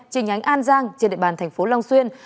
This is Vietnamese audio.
trên nhánh an giang trên địa bàn tp long xuyên